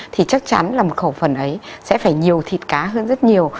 thì chắc chắn là một khẩu phần ấy sẽ phải nhiều thịt cá hơn rất nhiều